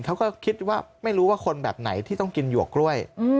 เขาก็คิดว่าไม่รู้ว่าคนแบบไหนที่ต้องกินหยวกกล้วย